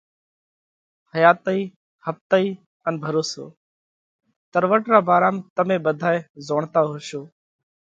حياتئِي ۿپتئِي ان ڀروسو: تروٽ را ڀارام تمي ٻڌائي زوڻتا هوشو۔